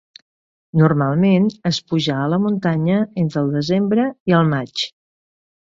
Normalment es puja a la muntanya entre el desembre i el maig.